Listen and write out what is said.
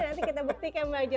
nanti kita buktikan bang jo